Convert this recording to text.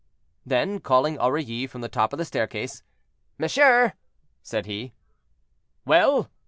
Then, calling Aurilly from the top of the staircase, "Monsieur," said he. "Well!"